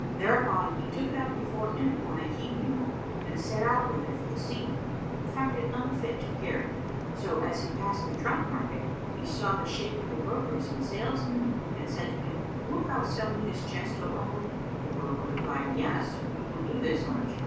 Thereupon he took it up before him on a he mule and set out with it for the sea, but found it unfit to carry; so, as he passed by the trunk market, he saw the Shaykh of the brokers and salesmen and said to him, "Wilt thou sell me this chest, O uncle?" The broker replied, "Yes, we will do this much."